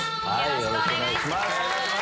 よろしくお願いします。